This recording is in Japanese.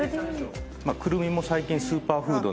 クルミも最近スーパーフード。